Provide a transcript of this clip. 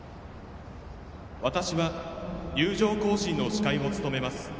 私は入場行進の司会を務めます